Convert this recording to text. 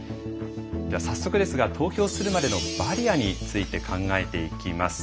早速ですが投票するまでのバリアについて考えていきます。